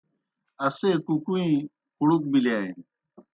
اسے کُکُویں کُڑُک بِلِیانیْ۔